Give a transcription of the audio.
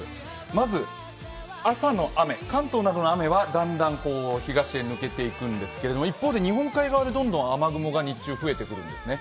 まず朝の雨、関東などの雨はだんだん東へ抜けていくんですけれども、一方日本海側でどんどん雨雲が日中増えてくるんですね。